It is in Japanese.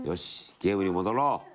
ゲームに戻ろう！